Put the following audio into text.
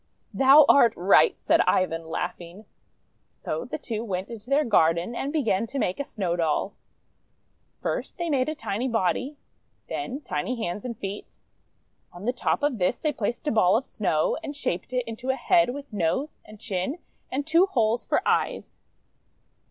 '1 "Thou art right!" said Ivan, laughing. So the two went into their garden, and began to make a Snow Doll. First they made a tiny body, then tiny hands and feet. On the top of this they placed a ball of Snow, and shaped it into a head with nose and chin and two holes for eyes.